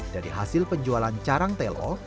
dari hasil penjualan carang telo